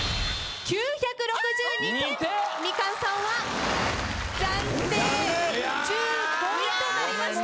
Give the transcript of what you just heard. みかんさんは暫定１５位となりました。